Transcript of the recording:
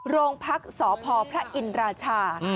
โรงพักษ์สพพระอินราชา